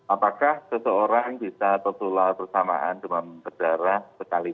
apakah seseorang bisa tertulis kesamaan demam berdarah betalina